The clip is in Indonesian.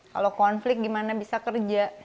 kalau konflik gimana bisa kerja